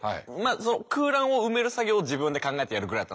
空欄を埋める作業を自分で考えてやるぐらいだったんですけど。